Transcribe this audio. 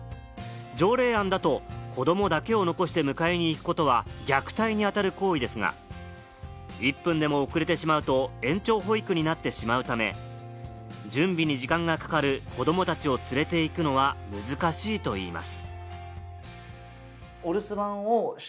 条例案だと、子どもだけを残して迎えに行くことは虐待に当たる行為ですが、１分でも遅れてしまうと、延長保育になってしまうため、準備に時間がかかる子どもたちを連れていくのは難しいといいます。